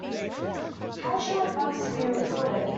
How would you like bugs to be reported?